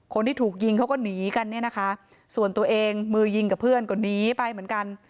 คนที่ถูกยิงเขาก็หนีกันเนี่ยนะคะส่วนตัวเองมือยิงกับเพื่อนก็หนีไปเหมือนกัน